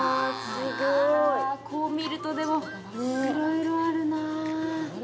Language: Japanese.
こう見ると、でも、いろいろあるな。